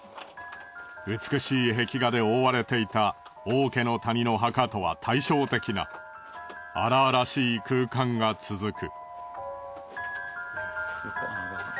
美しい壁画で覆われていた王家の谷の墓とは対照的な荒々しい空間が続く。